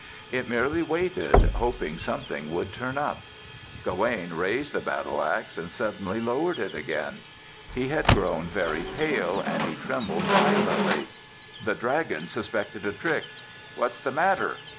It merely waited, hoping something would turn up. Gawaine raised the battle ax and suddenly lowered it again. He had grown very pale and he trembled violently. The dragon suspected a trick. "What's the matter?"